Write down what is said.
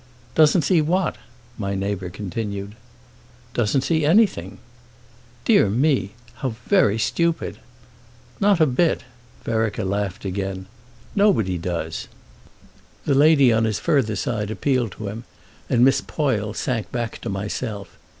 "Doesn't see what?" my neighbour continued. "Doesn't see anything." "Dear me—how very stupid!" "Not a bit," Vereker laughed main. "Nobody does." The lady on his further side appealed to him, and Miss Poyle sank back to myself.